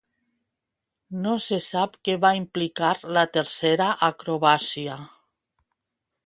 No se sap què va implicar la tercera acrobàcia.